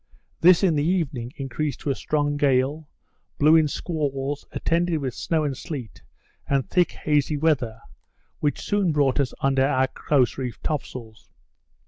This, in the evening, increased to a strong gale, blew in squalls, attended with snow and sleet, and thick hazy weather, which soon brought us under our close reefed top sails.